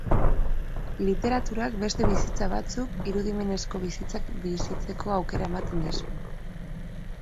Lieraturak beste bizitza batzuk, irudimenezko bizitzak bizitzeko aukera ematen dizu.